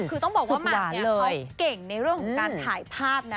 คือต้องบอกว่าหมากเนี่ยเขาเก่งในเรื่องของการถ่ายภาพนะ